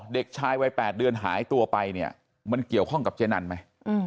เด็กชายวัย๘เดือนหายตัวไปเนี่ยมันเกี่ยวข้องกับเจ๊นันไหม